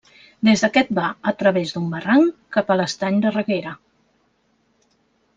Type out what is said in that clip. Des d'aquest va, a través d'un barranc, cap a l'Estany de Reguera.